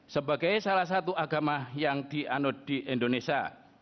sebagai salah satu agama yang dianut di indonesia